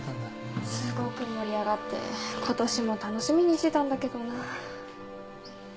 すごく盛り上がってことしも楽しみにしてたんだけどな。